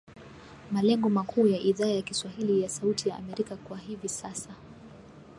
Malengo makuu ya Idhaa ya kiswahili ya Sauti ya Amerika kwa hivi sasa